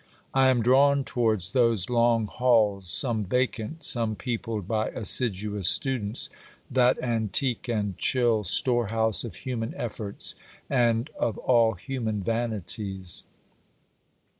I am drawn towards those long halls, some vacant, some peopled by assiduous students, that antique and chill storehouse of human efforts and of all human vanities.